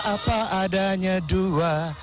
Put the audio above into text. apa adanya dua